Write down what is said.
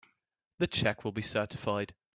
The check will be certified.